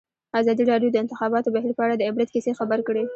ازادي راډیو د د انتخاباتو بهیر په اړه د عبرت کیسې خبر کړي.